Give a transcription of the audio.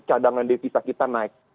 cadangan devisa kita naik